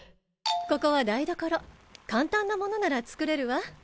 ここは台所簡単なものなら作れるわ。